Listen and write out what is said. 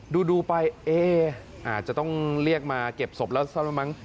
ดูไปเอ๊อาจจะต้องเรียกมาเก็บศพแล้ว